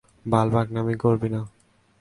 বাল পাকনামি করবি না।